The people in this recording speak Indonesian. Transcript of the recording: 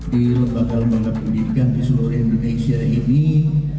di lembaga lembaga pendidikan di seluruh indonesia ini